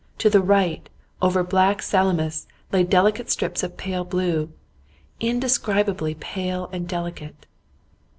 To the right, over black Salamis, lay delicate strips of pale blue indescribably pale and delicate.